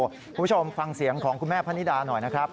คุณผู้ชมฟังเสียงของคุณแม่พนิดาหน่อยนะครับ